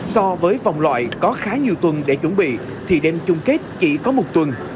so với vòng loại có khá nhiều tuần để chuẩn bị thì đêm chung kết chỉ có một tuần